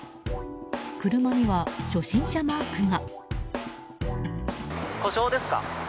車には初心者マークが。